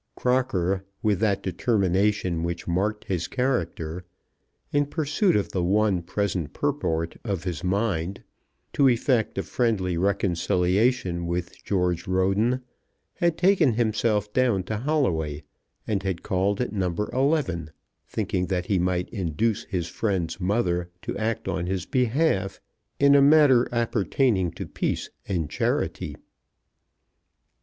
Crocker, with that determination which marked his character, in pursuit of the one present purport of his mind to effect a friendly reconciliation with George Roden, had taken himself down to Holloway, and had called at No. 11, thinking that he might induce his friend's mother to act on his behalf in a matter appertaining to peace and charity.